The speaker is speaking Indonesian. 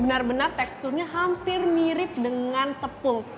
benar benar teksturnya hampir mirip dengan tepung